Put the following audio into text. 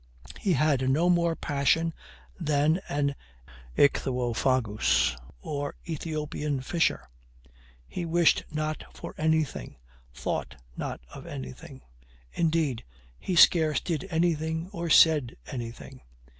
He had no more passion than an Ichthuofagus or Ethiopian fisher. He wished not for anything, thought not of anything; indeed, he scarce did anything or said anything.